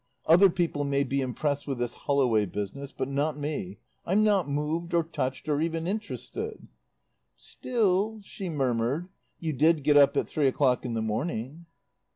Other people may be impressed with this Holloway business, but not me. I'm not moved, or touched, or even interested." "Still," she murmured, "you did get up at three o'clock in the morning."